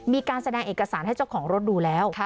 มีการแสดงเอกสารให้เจ้าของรถดูแล้ว